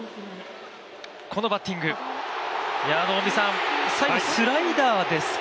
このバッティング、最後スライダーですか？